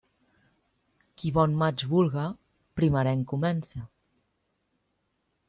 Qui bon maig vulga, primerenc comence.